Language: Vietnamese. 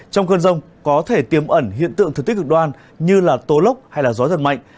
trong cơn rông có thể tiêm ẩn hiện tượng thực tích cực đoan như tố lốc hay gió giật mạnh